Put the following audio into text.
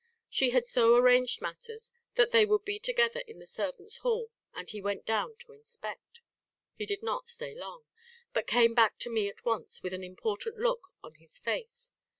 She had so arranged matters that they would be together in the servants' hall, and he went down to inspect. He did not stay long; but came back to me at once with an important look on his face.